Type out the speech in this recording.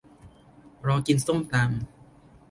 รอกินส้มตำ